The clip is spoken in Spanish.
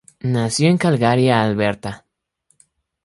Nació en Calgary, Alberta.